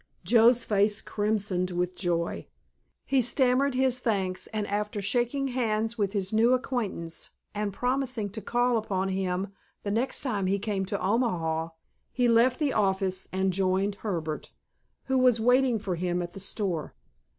Joe's face crimsoned with joy. He stammered his thanks, and after shaking hands with his new acquaintance and promising to call upon him the next time he came to Omaha, he left the office and joined Herbert, who was waiting for him at the store.